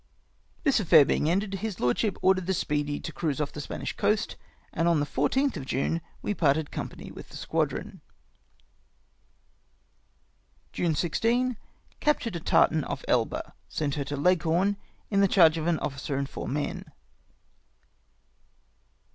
This affair bemg ended, liis lordship ordered the Speedy to cruise off the Spanish coast, and on the 14th of June we parted company with the squadi'on. "June 16. — Captured a tartan off Elba. Sent her to Leghorn, in the charge of an officer and four men.